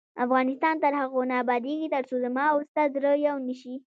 افغانستان تر هغو نه ابادیږي، ترڅو زما او ستا زړه یو نشي.